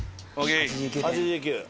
８９。